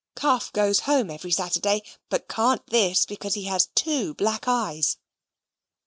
Cuff goes home every Saturday, but can't this, because he has 2 Black Eyes.